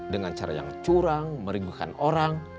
dengan cara yang curang meriguhkan orang